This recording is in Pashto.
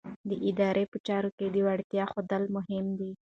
د ادارې په چارو کې د وړتیا ښودل مهم دي.